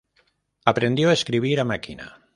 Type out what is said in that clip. Aprendió a escribir a máquina.